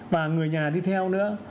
và người nhà đi theo nữa